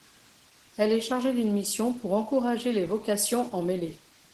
Elle est chargée d'une mission pour encourager les vocations en mêlée.